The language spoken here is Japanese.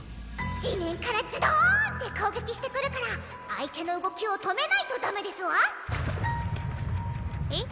地面からズドンって攻撃してくるから相手の動きを止めないとダメですわえっ？